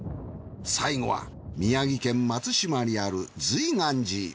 最後は宮城県松島にある瑞巌寺。